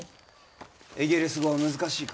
エゲレス語は難しいか？